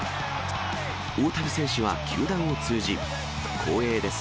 大谷選手は球団を通じ、光栄です。